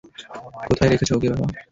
কোথায় রেখেছো ওকে বাবা?